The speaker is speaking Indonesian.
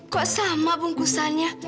kok sama bungkusannya